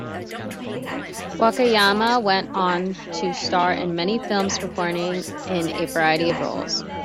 Wakayama went on to star in many films, performing in a variety of roles.